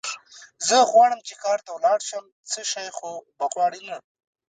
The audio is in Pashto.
زه غواړم چې ښار ته ولاړ شم، څه شی خو به غواړې نه؟